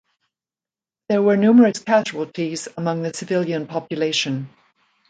There were numerous casualties among the civilian population.